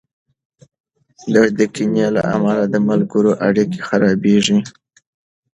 د کینې له امله د ملګرو اړیکې خرابېږي.